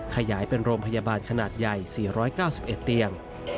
ขยายเป็นโรงพยาบาลขนาดใหญ่๔๙๑เตียง